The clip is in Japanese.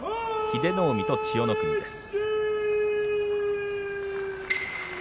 英乃海と千代の国です。